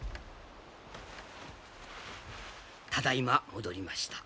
ただいま戻りました。